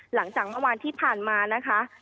หลังจากเมื่อวานที่ผ่านมานะคะ